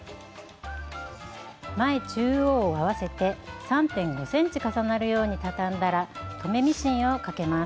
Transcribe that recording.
前中央を合わせて３．５ｃｍ重なるようにたたんだら留めミシンをかけます。